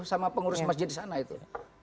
sama pengurus masjid disana itu